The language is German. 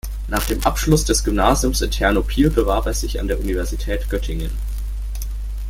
Nach Abschluss des Gymnasiums in Ternopil bewarb er sich an der Universität Göttingen.